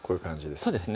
そうですね